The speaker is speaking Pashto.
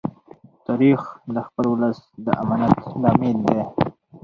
تاریخ د خپل ولس د امانت لامل دی.